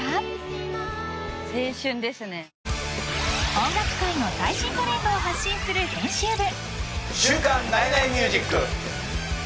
［音楽界の最新トレンドを発信する編集部］